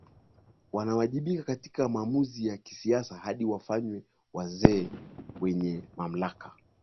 Wanawajibika katika maamuzi ya kisiasa hadi wafanywe wazee wenye mamlaka